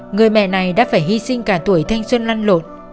người mẹ này đã phải hy sinh cả tuổi thanh xuân lăn lột